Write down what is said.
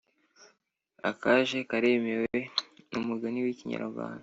Akaje karemewe numugani wikinyarwanda